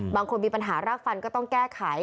บางคนมีปัญหารากฟันก็ต้องแก้ไข